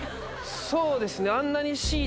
そうですねあんなに。